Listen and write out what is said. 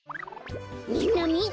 みんなみて。